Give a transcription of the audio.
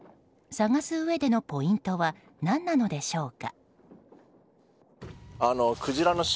探すうえでのポイントは何なのでしょうか。